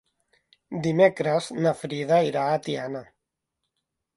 Dimecres na Frida irà a Tiana.